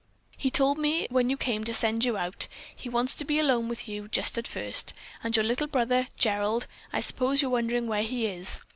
"He told me when you came to send you out. He wants to be alone with you just at first. And your little brother, Gerald; I s'pose you're wondering where he is.